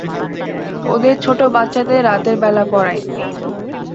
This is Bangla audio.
ওদের ছোট বাচ্চাদের রাতের বেলা পড়াই।